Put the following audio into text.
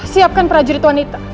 siapkan prajurit wanita